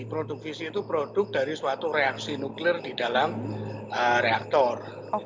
produk visi itu produk dari suatu reaksi nuklir di dalam reaktor